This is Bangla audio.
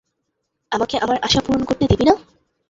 আমাকে আমার আশা পূরন করতে দিবি না?